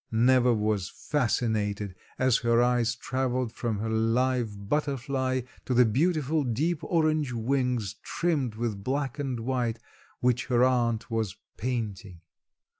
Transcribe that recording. Neva was fascinated as her eyes traveled from her live butterfly to the beautiful deep orange wings trimmed with black and white which her aunt was painting.